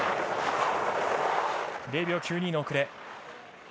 ０秒９２の遅れ。